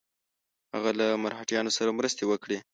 هغه له مرهټیانو سره مرستې وکړي.